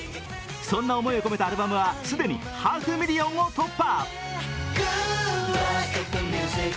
そんな思いを込めたアルバムは既にハーフミリオンを突破。